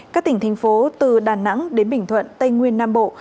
các tỉnh thành phố từ đà nẵng đến bình thuận tây nguyên nam bộ